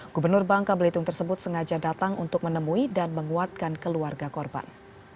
gubernur bangka belitung tersebut sengaja datang untuk menemui dan menguatkan keluarga korban